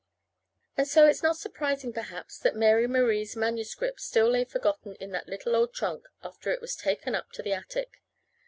And so it's not surprising, perhaps, that Mary Marie's manuscript still lay forgotten in the little old trunk after it was taken up to the attic.